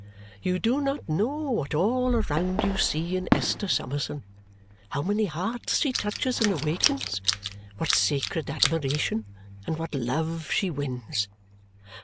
You do not know what all around you see in Esther Summerson, how many hearts she touches and awakens, what sacred admiration and what love she wins."